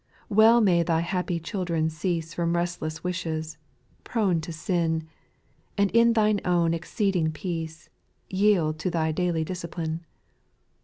4. "Well may Thy happy children cease From restless wishes, prone to sin. And in Thine own exceeding peace. Yield to Thy daily discipline.